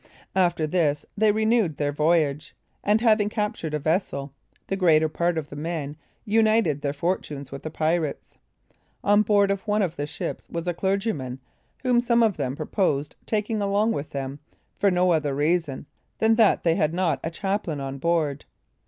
After this they renewed their voyage, and having captured a vessel, the greater part of the men united their fortunes with the pirates. On board of one of the ships was a clergyman, whom some of them proposed taking along with them, for no other reason than that they had not a chaplain on board.